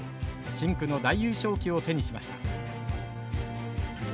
深紅の大優勝旗を手にしました。